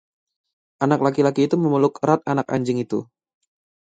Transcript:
Anak laki-laki itu memeluk erat anak anjing itu.